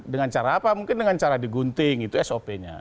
dengan cara apa mungkin dengan cara digunting itu sop nya